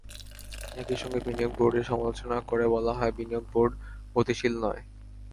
একই সঙ্গে বিনিয়োগ বোর্ডের সমালোচনা করে বলা হয়, বিনিয়োগ বোর্ড গতিশীল নয়।